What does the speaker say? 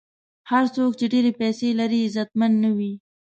هر څوک چې ډېرې پیسې لري، عزتمن نه وي.